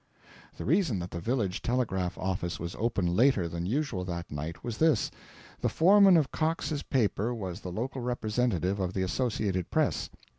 The reason that the village telegraph office was open later than usual that night was this: The foreman of Cox's paper was the local representative of the Associated Press.